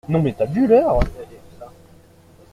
Non mais t'as vu l'heure?